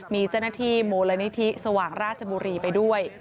มีเจ้าหน้าที่มูลนิธิสว่างราชบุรีไปด้วย